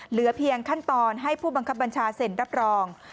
เหลือเพียงขั้นตอนให้ผู้บังคับบัญชาเซ็นรับรอง